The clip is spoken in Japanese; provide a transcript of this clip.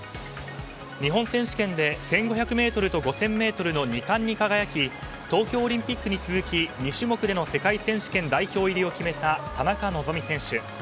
日本選手権で１５００ｍと５０００ｍの２冠に輝き東京オリンピックに続き２種目での世界選手権代表入りを決めた田中希実選手。